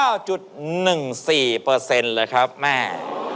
๑๙๑๔เลยครับแม่